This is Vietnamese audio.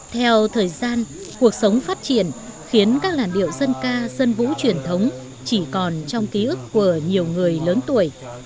theo thời gian cuộc sống phát triển khiến các làn điệu dân ca dân vũ truyền thống chỉ còn trong ký ức của nhiều người lớn tuổi